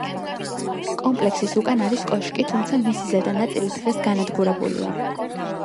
კომპლექსის უკან არის კოშკი, თუმცა მისი ზედა ნაწილი დღეს განადგურებულია.